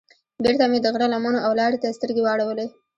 بېرته مې د غره لمنو او لارې ته سترګې واړولې.